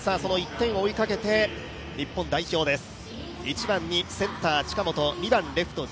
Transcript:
１点を追いかけて、日本代表です。